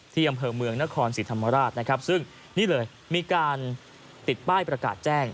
ที่อำเภอเมืองนครศรีธรรมราชนะครับซึ่งนี่เลยมีการติดป้ายประกาศแจ้ง